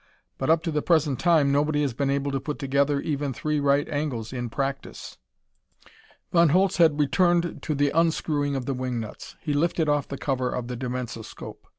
But up to the present time nobody has been able to put together even three right angles, in practise." Von Holtz had returned to the unscrewing of the wing nuts. He lifted off the cover of the dimensoscope.